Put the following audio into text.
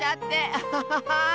アハハハー！